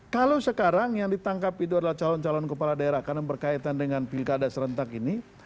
kalau sekarang yang ditangkap itu adalah calon calon kepala daerah karena berkaitan dengan pilkada serentak ini